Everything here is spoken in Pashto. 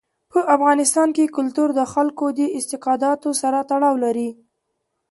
په افغانستان کې کلتور د خلکو د اعتقاداتو سره تړاو لري.